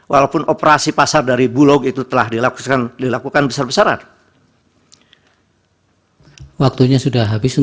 walaupun operasi pasar dari bulog itu telah dilakukan besar besaran